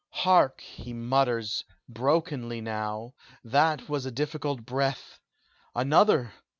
Hark! he mutters Brokenly now that was a difficult breath Another?